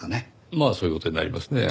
まあそういう事になりますねぇ。